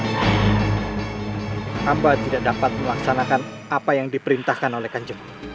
saya tidak dapat melaksanakan apa yang diperintahkan oleh kajengku